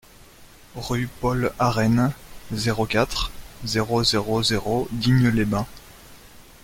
Rue Paul Arène, zéro quatre, zéro zéro zéro Digne-les-Bains